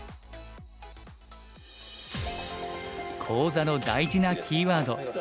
講座の大事なキーワード